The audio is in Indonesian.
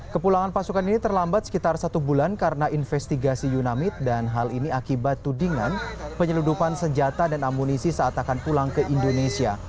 kepulangan pasukan ini terlambat sekitar satu bulan karena investigasi yunamid dan hal ini akibat tudingan penyelundupan senjata dan amunisi saat akan pulang ke indonesia